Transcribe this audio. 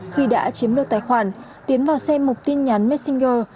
khi đã chiếm được tài khoản tiến vào xem một tin nhắn messenger